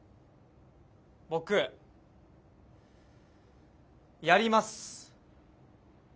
僕やります。